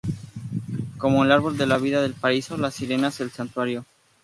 Como el "árbol de la vida del paraíso", las sirenas, el centauro...